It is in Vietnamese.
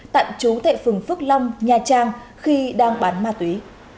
tạm trú tại phường phước long nha trang khi đang bán ma túy